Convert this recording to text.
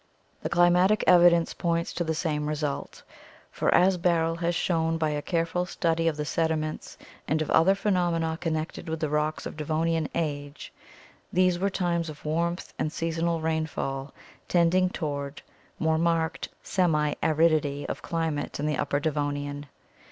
The climatic evidence points to the same result, for, as Barrell has shown by a careful study of the sediments and of other phenom ena connected with the rocks of Devonian age, these were times of warmth and seasonal rainfall tending toward more marked semi aridity of climate in the Upper Devonian.